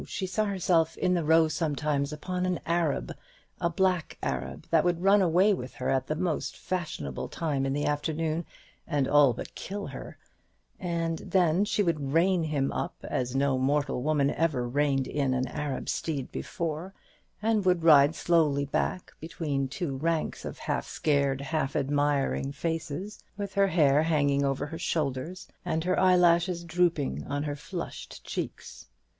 She saw herself in the Row sometimes, upon an Arab a black Arab that would run away with her at the most fashionable time in the afternoon, and all but kill her; and then she would rein him up as no mortal woman ever reined in an Arab steed before, and would ride slowly back between two ranks of half scared, half admiring faces, with her hair hanging over her shoulders and her eyelashes drooping on her flushed cheeks.